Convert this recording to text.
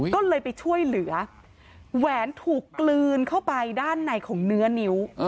ก็เลยไปช่วยเหลือแหวนถูกกลืนเข้าไปด้านในของเนื้อนิ้ว